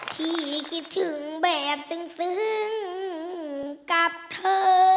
คิดถึงแบบซึ้งกับเธอ